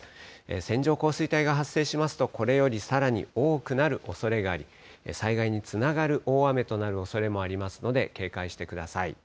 線状降水帯が発生しますと、これよりさらに多くなるおそれがあり、災害につながる大雨となるおそれもありますので、警戒してください。